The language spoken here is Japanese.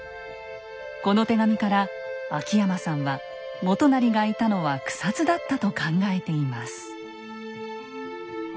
この手紙から秋山さんは元就がいたのは草津だったと考えています。